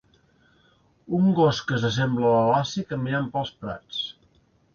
Un gos que s'assembla a la Lassie caminant pels prats.